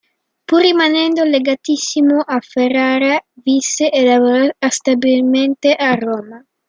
Pur rimanendo legatissimo a Ferrara, visse e lavorò stabilmente a Roma.